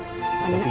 pamitin aku ya